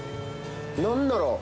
何だろう？